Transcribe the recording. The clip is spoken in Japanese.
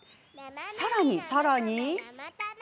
さらにさらに。